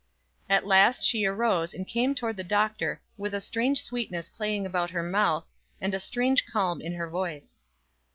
At last she arose and came toward the Doctor, with a strange sweetness playing about her mouth, and a strange calm in her voice.